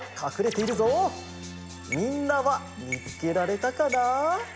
みんなはみつけられたかな？